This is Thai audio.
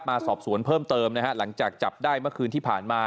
มาสอบสวนเพิ่มเติมนะฮะหลังจากจับได้เมื่อคืนที่ผ่านมา